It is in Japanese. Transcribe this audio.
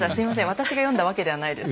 私が読んだわけではないです。